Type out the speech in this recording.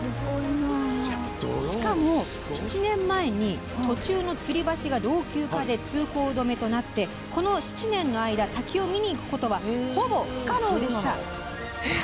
しかも、７年前に途中のつり橋が老朽化で通行止めとなってこの７年の間滝を見に行くことはほぼ不可能でした。